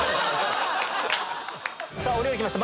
お料理きました